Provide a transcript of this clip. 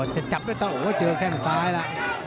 จะจับได้ต้องเจอแข้งซ้ายล่ะ